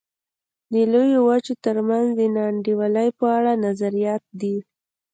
د لویو وچو ترمنځ د نا انډولۍ په اړه نظریات دي.